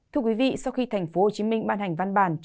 thưa quý vị sau khi tp hồ chí minh ban hành văn bản